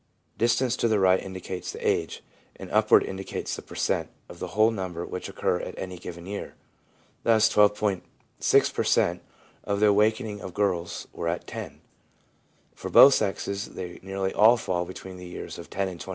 Distance to the right indicates the age, and upward indicates the per cent, of the whole number which occur at any given year. Thus, 12.6 per cent, of the awaken ings of girls were at 10 years. For both sexes they nearly all fall between the years 10 and 21.